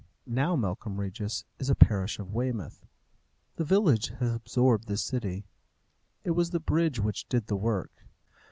Now Melcombe Regis is a parish of Weymouth. The village has absorbed the city. It was the bridge which did the work.